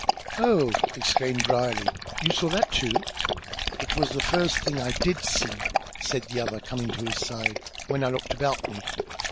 "Oh!" exclaimed Brierly. "You saw that too?" "It was the first thing I did see," said the other, coming to his side, "when I looked about me.